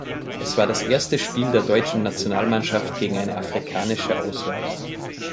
Es war das erste Spiel der deutschen Nationalmannschaft gegen eine afrikanische Auswahl.